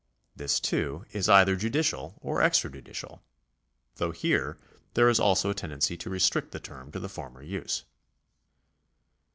This, too, is either judicial or extrajudicial, though here also there is a tendency to restrict the term to the former use.